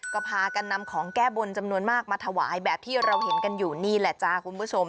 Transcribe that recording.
ก็พากันนำของแก้บนจำนวนมากมาถวายแบบที่เราเห็นกันอยู่นี่แหละจ้าคุณผู้ชม